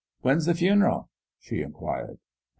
" When's the fun'l ?" she inquired.